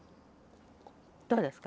どうですか？